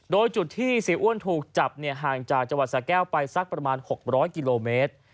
โดยจุดที่เสียอ้วนถูกจับห่างจากจังหวัดสะแก้วไปสักประมาณ๖๐๐กิโลเมตร